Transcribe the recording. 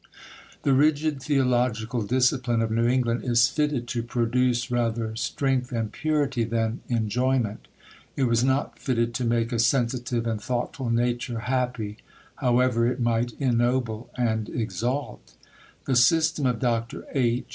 The rigid theological discipline of New England is fitted to produce rather strength and purity than enjoyment. It was not fitted to make a sensitive and thoughtful nature happy, however it might ennoble and exalt. The system of Dr. H.